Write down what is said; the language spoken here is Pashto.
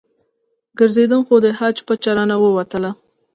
ګرځېدم خو د حج پچه رانه ووتله.